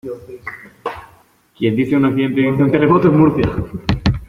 quien dice un accidente dice un terremoto en Murcia